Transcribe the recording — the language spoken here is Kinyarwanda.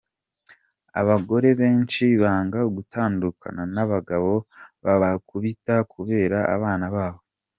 Abagore benshi banga gutandukana n’abagabo babakubita kubera abana babo.